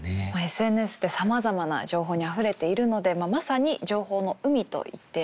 ＳＮＳってさまざまな情報にあふれているのでまさに情報の海といっていいですよね。